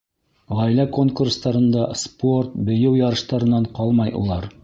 Ғаилә конкурстарында, спорт, бейеү ярыштарынан ҡалмай улар.